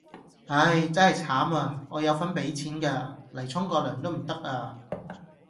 唉，真係慘呀，我有份俾錢㗎，蒞沖個涼都唔得呀